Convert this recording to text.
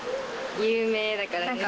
有名だからです。